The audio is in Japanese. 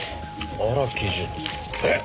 荒木淳えっ！？